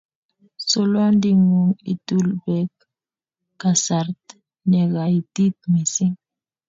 solwonding'ung ituul beek kasarta nekaitit mising